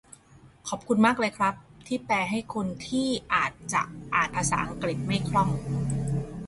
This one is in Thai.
ขอบคุณมากเลยครับที่แปลให้คนที่อาจจะอ่านภาษาอังกฤษไม่คล่อง